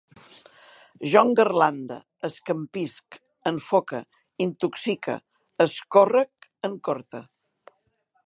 Jo engarlande, escampisc, enfoque, intoxique, escórrec, encorte